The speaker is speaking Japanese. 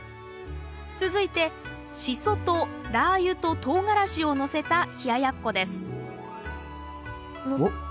続いてシソとラー油とトウガラシをのせた冷ややっこですおっ